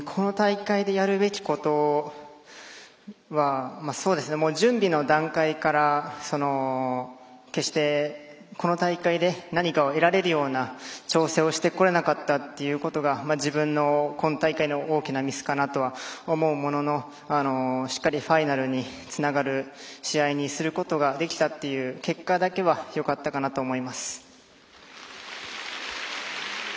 この大会でやるべきことは準備の段階から決してこの大会で何かを得られるような調整をしてこられなかったということが自分の今大会の大きなミスかなとは思うもののしっかりファイナルにつながる試合にすることができたという結果だけはよかったかなと思います。